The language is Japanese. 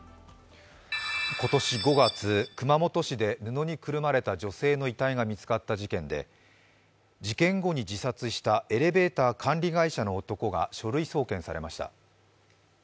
今年５月、熊本市で布にくるまれた女性の遺体が見つかった事件で事件後に自殺したエレベーター管理会社の男が書類送検されました。